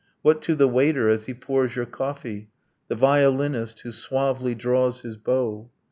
What to the waiter, as he pours your coffee, The violinist who suavely draws his bow?